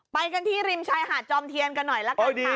ไปกันที่ริมชายหาดจอมเทียนกันหน่อยละกันค่ะ